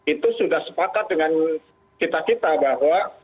itu sudah sepakat dengan kita kita bahwa